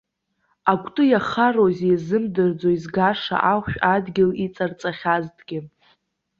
Акәты иахароузеи, иазымдырӡо, изгаша ахәшә адгьыл иҵарҵахьазҭгьы.